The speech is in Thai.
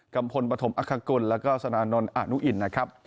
พลปฐมอักษกุลแล้วก็สนานนท์อนุอินนะครับ